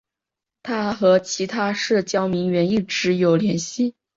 她和其他社交名媛一直有联系。